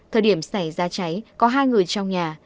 thời điểm xảy ra cháy có hai người trong nhà